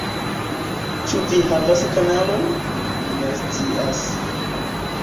Ĉu vi havas kanalon? Mi ne scias